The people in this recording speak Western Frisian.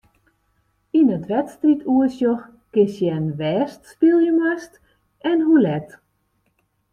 Yn it wedstriidoersjoch kinst sjen wêr'tst spylje moatst en hoe let.